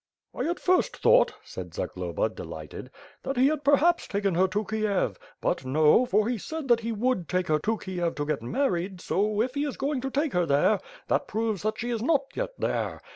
"I at first thought," said Zagloba, delighted, "that he had perhaps taken her to Kiev — ^but, no, for he said that he would take her to Kiev to get married so if he is going to take her . there, that proves that she is not yet there.